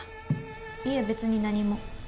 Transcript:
いえ、別に何も。